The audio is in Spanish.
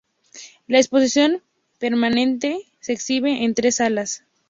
La exposición permanente se exhibe en tres salas.